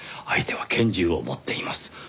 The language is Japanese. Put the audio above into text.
相手は拳銃を持っています。